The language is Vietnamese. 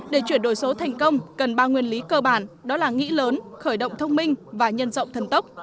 để chuyển đổi số thành công cần ba nguyên lý cơ bản đó là nghĩ lớn khởi động thông minh và nhân rộng thân tốc